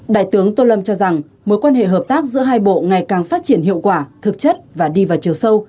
đại tướng tô lâm cho rằng mối quan hệ hợp tác giữa hai bộ ngày càng phát triển hiệu quả thực chất và đi vào chiều sâu